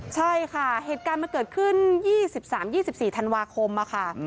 ใช่ค่ะเหตุการณ์มันเกิดขึ้น๒๓๒๔ธันวาคมค่ะ